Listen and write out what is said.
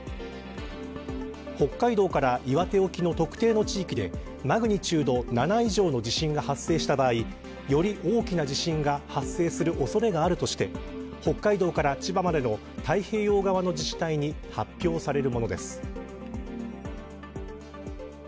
北海道から岩手沖の特定の地域でマグニチュード７以上の地震が発生した場合より大きな地震が発生する恐れがあるとして北海道から千葉までの太平洋側の自治体に発表されるものです。